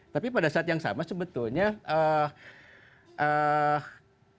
tapi pada saat yang sama sebetulnya kreativitas untuk memanfaatkan